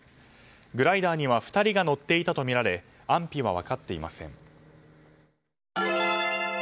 グライダーには２人が乗っていたとみられ安否は分かっていません